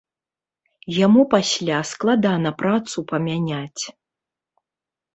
Яму пасля складана працу памяняць.